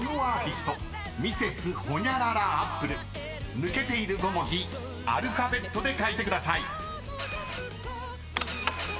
［抜けている５文字アルファベットで書いてください］